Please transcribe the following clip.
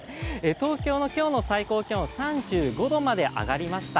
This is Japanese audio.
東京の今日の最高気温は３５度まで上がりました